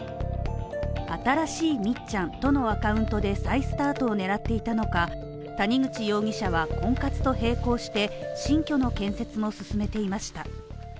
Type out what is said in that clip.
新しいみっちゃんとのアカウントで再スタートを狙っていたのか、谷口容疑者は婚活と並行して新居の建設も進めていました。